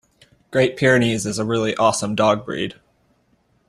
Great Pyrenees is a really awesome dog breed.